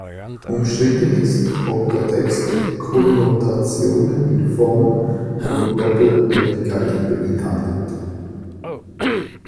Umstritten ist, ob der Text Konnotationen in Form von Doppeldeutigkeiten beinhaltet.